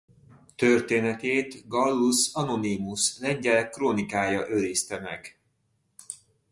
Történetét Gallus Anonymus Lengyel krónikája őrizte meg.